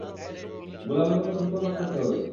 গোলামের মতো ফুটফরমাশ করতে হবে।